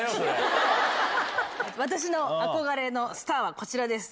私の憧れのスターはこちらです。